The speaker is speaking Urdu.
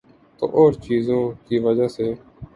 تو اورچیزوں کی وجہ سے۔